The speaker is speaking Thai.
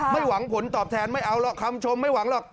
ไม่หวังผลตอบแทนไม่เอาหรอกคำชมไม่หวังหรอก